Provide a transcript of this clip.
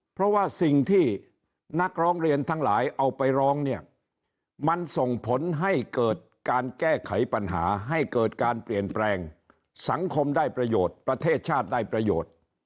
เพราะว่าสิ่งที่นักร้องเรียนทั้งหลายเอาไปร้องเนี่ยมันส่งผลให้เกิดการแก้ไขปัญหาให้เกิดการเปลี่ยนแปลงสังคมได้ประโยชน์ประเทศชาติได้ประโยชน์